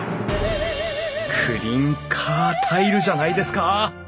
クリンカータイルじゃないですか！